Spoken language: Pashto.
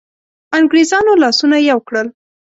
انګرېزانو لاسونه یو کړل.